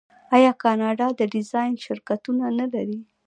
آیا کاناډا د ډیزاین شرکتونه نلري؟